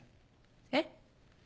えっ？